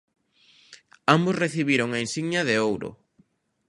Ambos recibiron a insignia de ouro.